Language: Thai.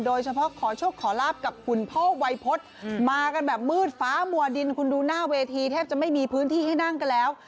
โดยเฉพาะขอโชคขอลาบกับคุณพ่อวัยพฤษมากันแบบมืดฟ้ามัวดินคุณดูหน้าเวทีแทบจะไม่มีพื้นที่ให้นั่งกันแล้ว